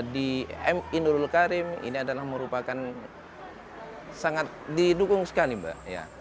di mi nurul karim ini adalah merupakan sangat didukung sekali mbak